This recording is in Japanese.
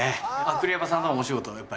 栗山さんともお仕事やっぱり。